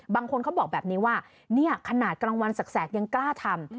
บางคนเขาบอกแบบนี้ว่าเนี่ยขนาดกลางวันแสกยังกล้าทำ